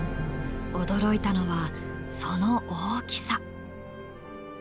驚いたのはその大きさ。